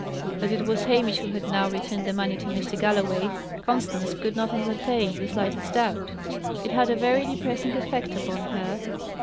That it was Hamish who had now returned the money to Mr. Galloway, Constance could not entertain the slightest doubt. It had a very depressing effect upon her.